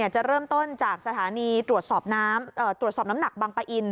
จะเริ่มต้นจากสถานีตรวจสอบน้ำหนักบางปะอิน